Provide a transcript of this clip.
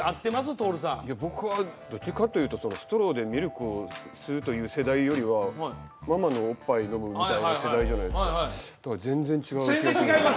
トオルさんいや僕はどっちかというとストローでミルクを吸うという世代よりはママのおっぱい飲むみたいな世代じゃないですかだから全然違う気がします